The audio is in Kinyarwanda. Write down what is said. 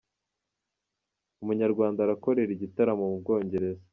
Umunyarwanda arakorera igitaramo mubwongereza